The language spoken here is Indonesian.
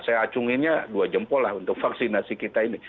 saya acunginnya dua jempol lah untuk vaksinasi kita ini